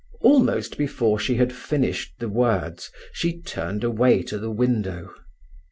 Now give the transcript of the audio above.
Almost before she had finished the words she turned away to the window.